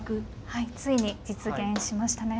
はいついに実現しましたね。